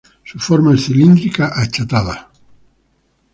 Su forma es cilíndrica achatada.